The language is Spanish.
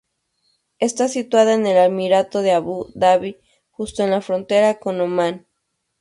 Está situada en el Emirato de Abu Dabi, justo en la frontera con Omán.